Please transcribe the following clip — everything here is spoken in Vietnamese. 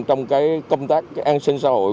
trong công tác an sinh xã hội